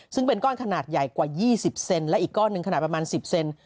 ซึ่งเป็นก้อนขนาดใหญ่กว่า๒๐เซนและอีกก้อนหนึ่งขนาดประมาณ๑๐เซน